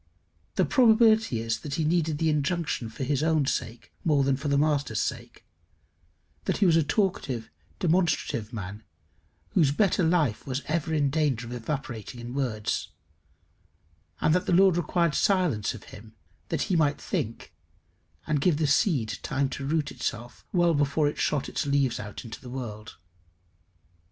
The probability is that he needed the injunction for his own sake more than for the master's sake; that he was a talkative, demonstrative man, whose better life was ever in danger of evaporating in words; and that the Lord required silence of him, that he might think, and give the seed time to root itself well before it shot its leaves out into the world.